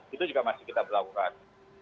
itu juga masih kita berlakukan